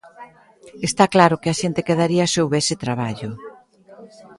Está claro que a xente quedaría se houbese traballo.